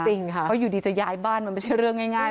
เพราะอยู่ดีจะย้ายบ้านมันไม่ใช่เรื่องง่าย